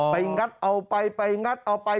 งัดเอาไปไปงัดเอาไป